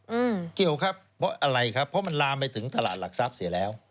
อืมเกี่ยวครับเพราะอะไรครับเพราะมันลามไปถึงตลาดหลักทรัพย์เสียแล้ว